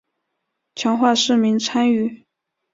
强化市民参与